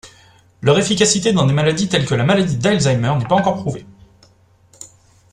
Leur efficacité dans des maladies telles que la maladie d'Alzheimer n'est pas encore prouvée.